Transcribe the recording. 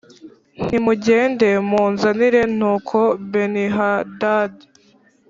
Nimugende mumunzanire Nuko Benihadadi